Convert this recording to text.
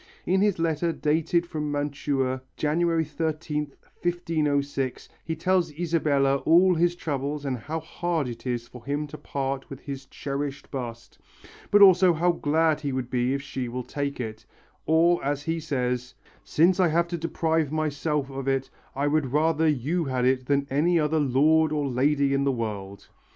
In his letter dated from Mantua, January 13th, 1506, he tells Isabella all his troubles and how hard it is for him to part with his cherished bust, but also how glad he would be if she will take it, or as he says: "Since I have to deprive myself of it, I would rather you had it than any other Lord or Lady in the world."